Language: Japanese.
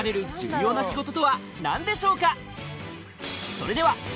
それでは